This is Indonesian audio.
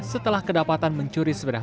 setelah kedapatan mencuri sepeda